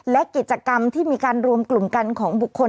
และกิจกรรมที่มีการรวมกลุ่มกันของบุคคล